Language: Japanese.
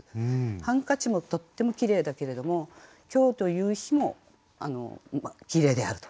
ハンカチもとってもきれいだけれども今日という日もきれいであると。